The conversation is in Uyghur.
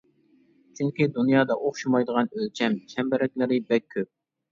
چۈنكى، دۇنيادا ئوخشىمايدىغان ئۆلچەم چەمبىرەكلىرى بەك كۆپ.